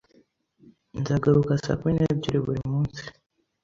Nzagaruka saa kumi n'ebyiri buri munsi.